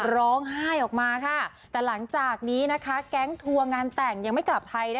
ร้องไห้ออกมาค่ะแต่หลังจากนี้นะคะแก๊งทัวร์งานแต่งยังไม่กลับไทย